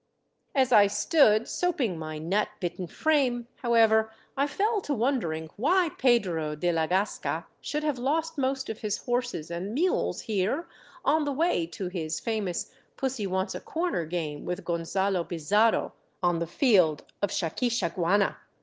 As I stood soaping my gnat bitten frame, however, I fell to wondering why Pedro de la Gasca should have lost most of his horses and mules here on the way to his famous pussy wants a corner game with Gonzalo Pizarro on the field of Xaquixaguana.